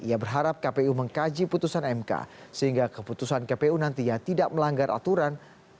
ia berharap kpu mengkaji putusan mk sehingga keputusan kpu nantinya tidak melanggar aturan